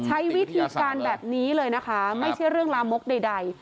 ใช้วิธีการแบบนี้เลยนะคะไม่ใช่เรื่องลามกใด